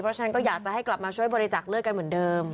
เพราะฉะนั้นก็อยากจะให้กลับมาช่วยบริจักษ์เลือดกันเหมือนเดิม